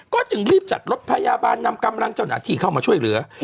ก็จึงรีบจัดรถพยาบาลนำกำลังเจ้าหน้าที่เข้ามาช่วยเหลือ